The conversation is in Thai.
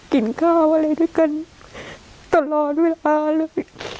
กินข้าวอะไรด้วยกันตลอดเวลาเลย